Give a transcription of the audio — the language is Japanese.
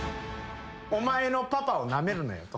お前のパパをなめるなよと。